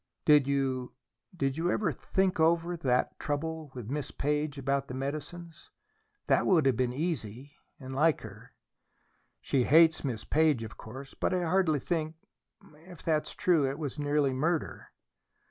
"Did you did you ever think over that trouble with Miss Page about the medicines? That would have been easy, and like her." "She hates Miss Page, of course, but I hardly think If that's true, it was nearly murder."